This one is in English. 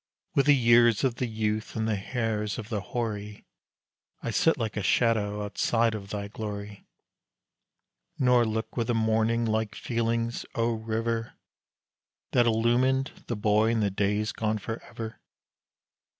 With the years of the youth and the hairs of the hoary, I sit like a shadow outside of thy glory; Nor look with the morning like feelings, O river, That illumined the boy in the days gone for ever!